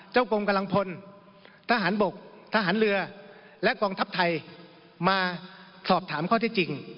กรมกำลังพลทหารบกทหารเรือและกองทัพไทยมาสอบถามข้อที่จริง